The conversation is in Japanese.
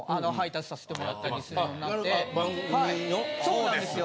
そうなんですよ。